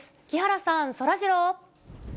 木原さん、そらジロー。